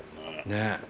ねえ。